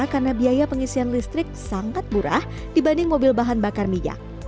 karena biaya pengisian listrik sangat murah dibanding mobil bahan bakar minyak